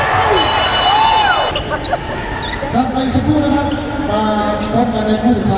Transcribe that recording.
สวัสดีครับทุกคน